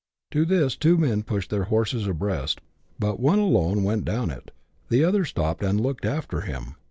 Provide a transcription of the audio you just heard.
To this two men pushed their horses abreast, but one alone went down it, the other stopped and looked after him.